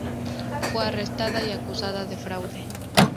Fue arrestada y acusada de fraude.